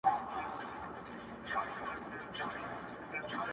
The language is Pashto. ژر سه ته زما له گرانښته قدم اخله-